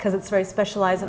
karena itu sangat spesialisasi